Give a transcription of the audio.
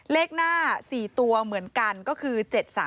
เลขหน้า๔ตัวเหมือนกันก็คือ๗๓